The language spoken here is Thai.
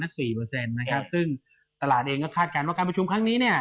ซึ่งตลาดเองก็คาดการณ์ว่าน้ำมันว่าการสร้างพรรดาพระชมครั้งนี้